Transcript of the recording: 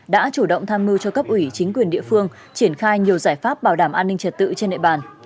đã chủ động tham mưu cho cấp ủy chính quyền địa phương triển khai nhiều giải pháp bảo đảm an ninh trật tự trên địa bàn